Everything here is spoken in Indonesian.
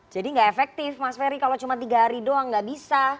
jadi gak efektif mas ferry kalau cuma tiga hari doang gak bisa